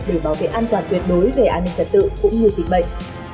để bảo vệ an toàn tuyệt đối về an ninh trật tự cũng như dịch bệnh